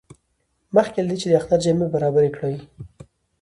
مخکې له دې چې د اختر جامې برابرې کړي.